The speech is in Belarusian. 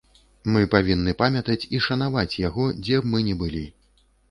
Мы павінны памятаць і шанаваць яго, дзе б мы не былі.